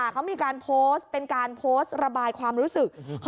เขามีการโพสต์เป็นการโพสต์ระบายความรู้สึก